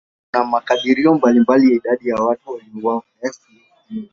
Kuna makadirio mbalimbali ya idadi ya watu waliouawa.